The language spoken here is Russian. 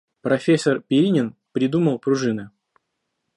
Профессор Перинин придумал пружины.